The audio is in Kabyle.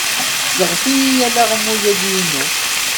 Sseɣti-yi alaɣmu-agi-inu.